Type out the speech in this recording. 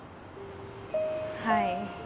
はい。